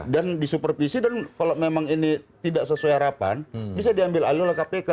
dan disupervisi dan kalau memang ini tidak sesuai harapan bisa diambil alih oleh kpk